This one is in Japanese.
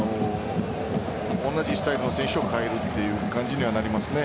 同じスタイルの選手を代えるという感じにはなりますね。